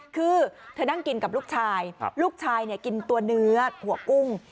คือเธอนั่งกินกับลูกชายลูกชายกินตัวเนื้อหัวกุ้ง